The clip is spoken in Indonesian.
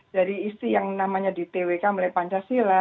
dari isi yang namanya di twk mulai pancasila